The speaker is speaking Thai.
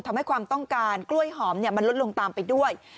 ทำให้ความต้องการกล้วยหอมมันลดลงตามไปด้วย